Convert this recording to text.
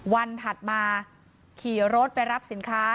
ถัดมาขี่รถไปรับสินค้า